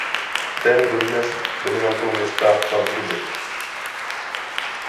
Ten dodnes dominantou města Kladruby.